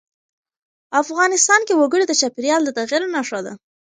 افغانستان کې وګړي د چاپېریال د تغیر نښه ده.